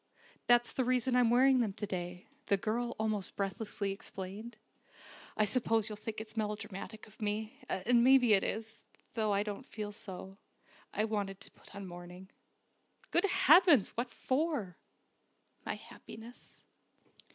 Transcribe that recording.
That's the reason I'm wearing them to day," the girl almost breathlessly explained. "I suppose you'll think it's melodramatic of me, and maybe it is, though I don't feel so. I wanted to put on mourning." "Good heavens! What for?" "My happiness."